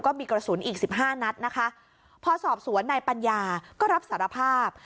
มีกระสุนอีกสิบห้านัดนะคะพอสอบสวนนายปัญญาก็รับสารภาพ